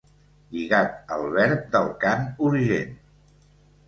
Lligat al verb del cant urgent.